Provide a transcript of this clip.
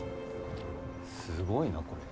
すごいなこれ。